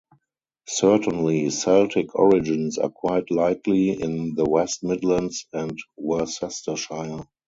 Certainly Celtic origins are quite likely in the West Midlands and Worcestershire.